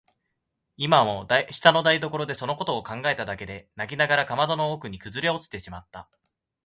今も下の台所でそのことを考えただけで泣きながらかまどの前にくずおれてしまった。